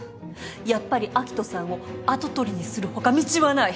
やっぱり明人さんを跡取りにする他道はない。